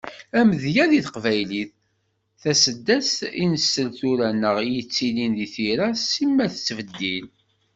Amedya di teqbaylit: Taseddast i nsell tura neɣ i yettilin di tira, simmal tettbeddil.